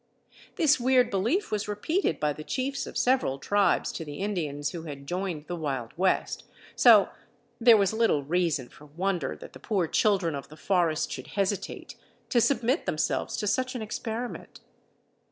This weird belief was repeated by the chiefs of several tribes to the Indians who had joined the Wild West, so there was little reason for wonder that the poor children of the forest should hesitate to submit themselves to such an experiment.